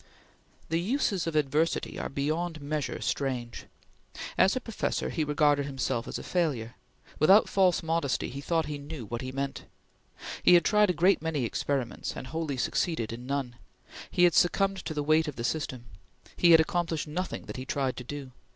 The uses of adversity are beyond measure strange. As a professor, he regarded himself as a failure. Without false modesty he thought he knew what he meant. He had tried a great many experiments, and wholly succeeded in none. He had succumbed to the weight of the system. He had accomplished nothing that he tried to do.